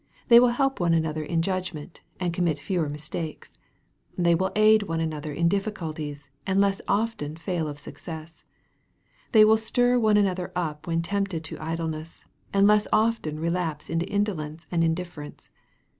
They will help one another in judgment, and commit fewer mistakes. They will aid one another in difficulties, and less often fail of success. They will stir one another up when tempted to idleness, and less often relapse into in dolence and indifference.